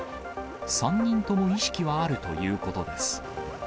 ３人とも意識はあるということです。